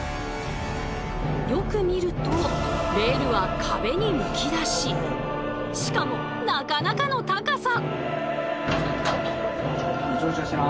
よく見るとレールはしかもなかなかの高さ！